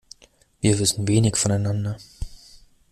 Wir wissen wenig voneinander.